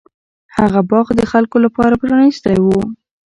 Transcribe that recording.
هغه باغ د خلکو لپاره پرانیستی و.